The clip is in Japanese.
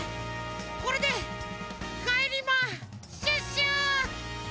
これでかえりまシュッシュ！